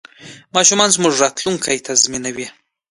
ماشومان زموږ راتلونکی تضمینوي.